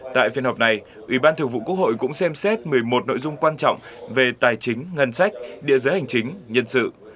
tại phiên họp này ủy ban thường vụ quốc hội cũng xem xét một mươi một nội dung quan trọng về tài chính ngân sách địa giới hành chính nhân sự